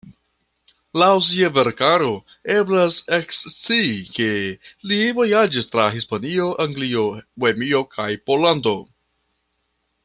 Laŭ sia verkaro eblas ekscii ke li vojaĝis tra Hispanio, Anglio, Bohemio kaj Pollando.